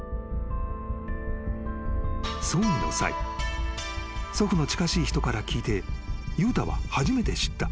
［葬儀の際祖父の近しい人から聞いて悠太は初めて知った］